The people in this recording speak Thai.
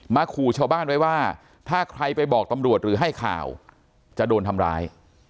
ขู่ชาวบ้านไว้ว่าถ้าใครไปบอกตำรวจหรือให้ข่าวจะโดนทำร้าย